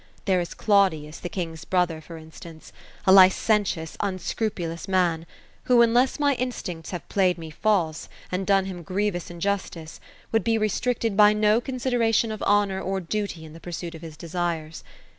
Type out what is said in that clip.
There is Claudius, the king's brother, for instance, — a licentious unscru* pulous man ; who, unless my instincts have played me false, and done hiiu grievous injustice, would be restricted by no consideration of honour or duty in the pursuit of his desires.